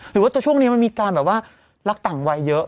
หรือว่าตัวช่วงนี้มันมีการแบบว่ารักต่างวัยเยอะ